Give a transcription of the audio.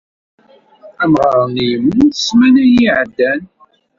Amɣar-nni yemmut ssmana-yi iɛeddan.